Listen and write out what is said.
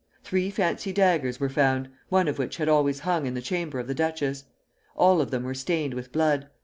Three fancy daggers were found, one of which had always hung in the chamber of the duchess. All of them were stained with blood.